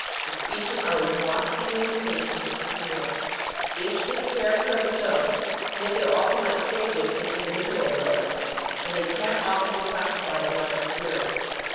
The species are remarkably unique and discontinuous, each with a character of its own, yet they are often like stages in individual develop ment, and they can often be classified in a logical series.